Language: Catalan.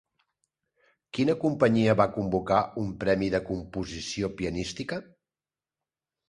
Quina companyia va convocar un premi de composició pianística?